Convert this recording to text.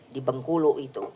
di bengkulu itu